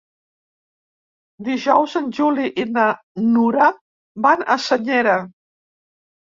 Dijous en Juli i na Nura van a Senyera.